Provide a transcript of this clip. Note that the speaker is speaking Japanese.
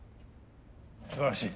すばらしい。